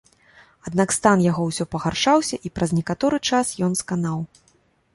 Аднак стан яго ўсё пагаршаўся і праз некаторы час ён сканаў.